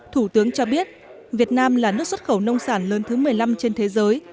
thủ tướng cho biết việt nam là nước xuất khẩu nông sản lớn thứ một mươi năm trên thế giới